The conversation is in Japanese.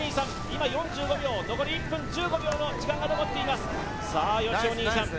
今４５秒残り１分１５秒の時間が残っていますさあよしお兄さん